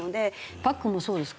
パックンもそうですか？